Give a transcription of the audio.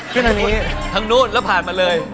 ขึ้นทางนู้นแล้วผ่านมาเลย